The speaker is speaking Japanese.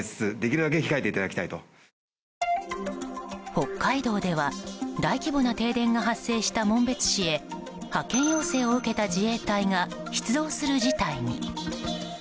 北海道では大規模な停電が発生した紋別市へ派遣要請を受けた自衛隊が出動する事態に。